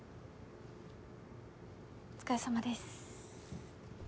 お疲れさまです。